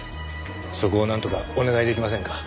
そこをなんとかお願い出来ませんか？